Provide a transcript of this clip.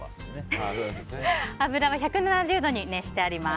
油は１７０度に熱してあります。